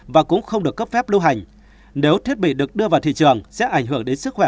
và cũng không được cấp phép lưu hành nếu thiết bị được đưa vào thị trường sẽ ảnh hưởng đến sức khỏe